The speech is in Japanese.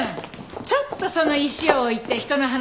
ちょっとその石を置いて人の話聞こうか。